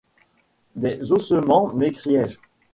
Des ossements ! m’écriai-je.